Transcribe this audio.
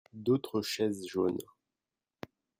D'autres chaises jaunes.